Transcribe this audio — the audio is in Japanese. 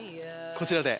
こちらで。